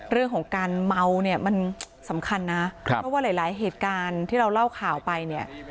เรื่องของการเมาเนี่ยมันสำคัญนะเพราะว่าหลายเหตุการณ์ที่เราเล่าข่าวไปเนี่ย